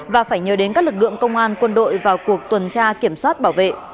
và phải nhờ đến các lực lượng công an quân đội vào cuộc tuần tra kiểm soát bảo vệ